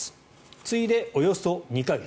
次いでおよそ２か月